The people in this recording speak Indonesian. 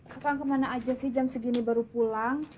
kapan kemana aja sih jam segini baru pulang